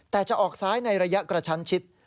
แต่จะออกซ้ายในระยะกระชั้นชิด